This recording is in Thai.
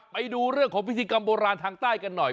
ไปดูเรื่องของพิธีกรรมโบราณทางใต้กันหน่อย